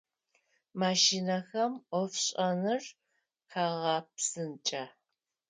Машинэхэм ӏофшӏэныр къагъэпсынкӏэ.